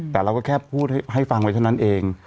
แต่เราก็แค่พูดให้ฟังไว้เท่านั้นเอง